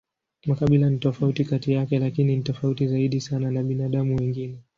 Makabila ni tofauti kati yake, lakini ni tofauti zaidi sana na binadamu wengine.